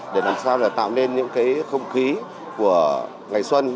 để làm sao là tạo nên những cái không khí của ngày xuân